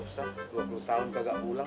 dua puluh tahun kagak pulang